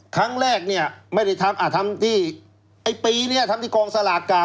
ครั้งแรกเนี่ยไม่ได้ทำอ่ะทำที่ไอ้ปีเนี่ยทำที่กองสลากเก่า